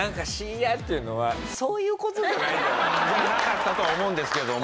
じゃなかったとは思うんですけども。